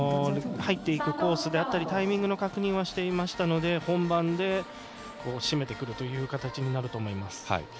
入っていくコースであったりタイミングの確認はしていましたので本番で締めてくるという形になると思います。